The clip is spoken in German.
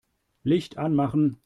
Licht anmachen.